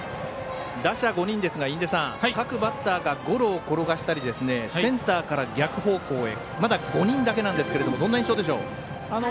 打者５人ですが、各バッターがゴロを転がしたりセンターから逆方向へまだ５人だけなんですがどんな印象でしょう？